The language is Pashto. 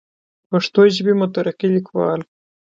دَ پښتو ژبې مترقي ليکوال